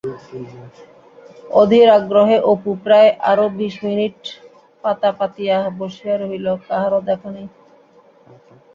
অধীর আগ্রহে অপু প্রায় আরও বিশ মিনিট পাতা পাতিয়া বসিয়া রহিল-কাহারও দেখা নাই।